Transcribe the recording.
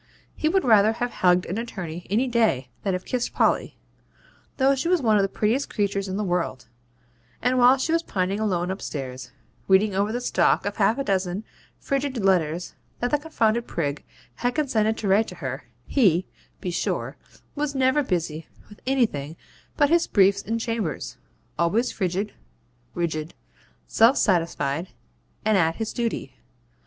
He would rather have hugged an attorney any day than have kissed Polly, though she was one of the prettiest creatures in the world; and while she was pining alone upstairs, reading over the stock of half a dozen frigid letters that the confounded prig had condescended to write to her, HE, be sure, was never busy with anything but his briefs in chambers always frigid, rigid, self satisfied, and at his duty.